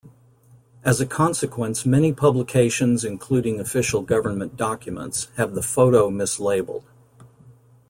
As a consequence many publications including official government documents have the photo mislabeled.